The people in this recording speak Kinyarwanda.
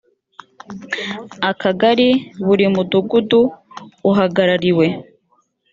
akagari buri mudugudu uhagarariwe